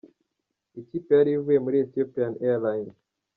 Ikipe yari ivuye muri Ethiopian Airlines.